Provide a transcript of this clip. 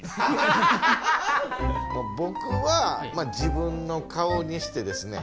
ぼくは自分の顔にしてですね。